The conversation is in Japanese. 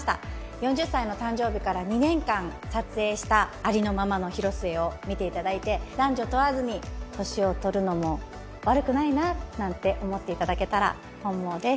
４０歳の誕生日から２年間、撮影したありのままの広末を見ていただいて、男女問わずに年を取るのも悪くないななんて思っていただけたら本望です。